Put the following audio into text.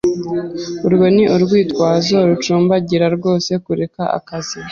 Urwo ni urwitwazo rucumbagira rwo kureka akazi.